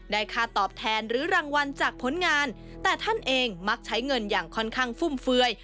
ค่าตอบแทนหรือรางวัลจากผลงานแต่ท่านเองมักใช้เงินอย่างค่อนข้างฟุ่มเฟือย